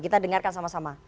kita dengarkan sama sama